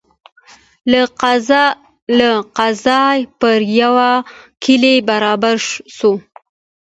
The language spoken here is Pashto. له قضا پر یوه کلي برابر سو